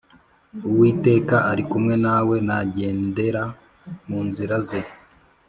Uwiteka arikumwe nawe nagendera mu nzira ze.